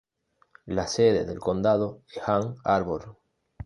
La sede del condado es Ann Arbor.